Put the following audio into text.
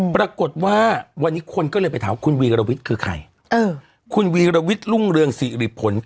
ปรากฏว่าวันนี้คนก็เลยไปถามคุณวีรวิทย์คือใครเออคุณวีรวิทย์รุ่งเรืองสิริผล